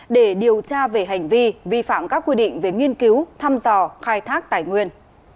để điều tra về hành vi vi phạm các quy định về nghiên cứu thăm dò khai thác tài nguyên